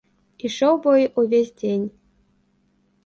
Ішоў бой увесь дзень.